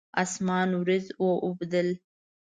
اسمان اوریځ واوبدل